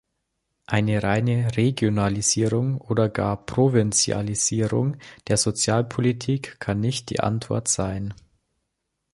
Eine reine Regionalisierung oder gar Provinzialisierung der Sozialpolitik kann nicht die Antwort sein.